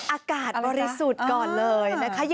อากาศบริสุทธิ์ก่อนเลยนะคะ